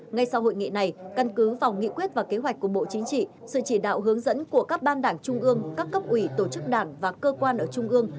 ngay sau hội nghị này cân cứ vào nghị quyết và kế hoạch của bộ chính trị sự chỉ đạo hướng dẫn của các ban đảng trung ương